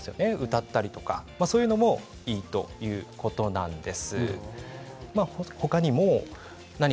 歌ったりとかそういったこともいいということなんです。